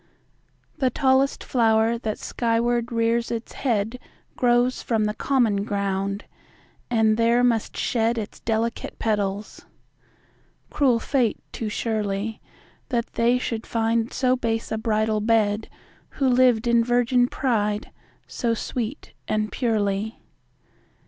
15 The tallest flower that skyward rears its head Grows from the common ground, and there must shed Its delicate petals. Cruel fate, too surely, That they should find so base a bridal bed, Who lived in virgin pride, so sweet and purely.